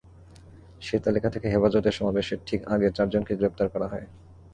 সেই তালিকা থেকে হেফাজতের সমাবেশের ঠিক আগে চারজনকে গ্রেপ্তার করা হয়।